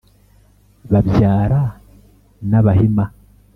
babyara b'abahima.